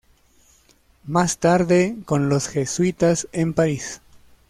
Más tarde con los jesuitas en París.